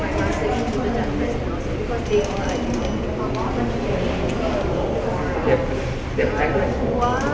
วงวัตถามรบหัว